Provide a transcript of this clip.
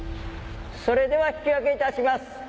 それでは引き上げいたします